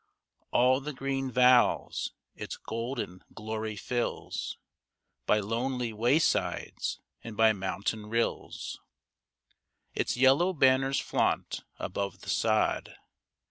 All the green vales its golden glory fills ; By lonely zvaysides and by mountain rills Its yellow banners flatint above the sod.